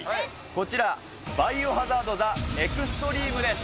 こちら、バイオハザード・ザ・エクストリームです。